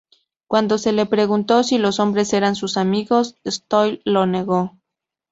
Cuando se le preguntó si los hombres eran sus amigos, Stoll lo negó.